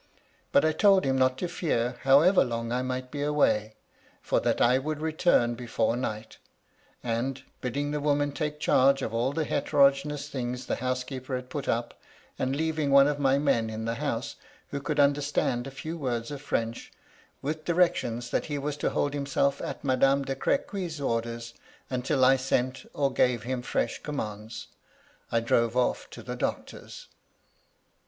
But I told him not to fear, however long I might be away, for tiiat I would return before night ; and, bidding the woman take charge of all the hetero geneous things the housekeeper had put up, and leaving one of my men in the house, who could understand a few words of French, with directions that he was to hold himself at Madame de Crequy's orders until I sent or gave him fresh commands, I drove off to the doctor's.